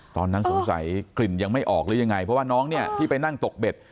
ตอนนั้นสงสัยกลิ่นยังไม่ออกหรือยังไงเพราะว่าน้องเนี่ยที่ไปนั่งตกเบ็ด